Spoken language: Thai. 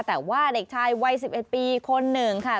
แต่ว่าเด็กชายวัย๑๑ปีคนหนึ่งค่ะ